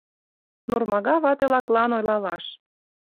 Нурмага вате-лаклан ойлалаш.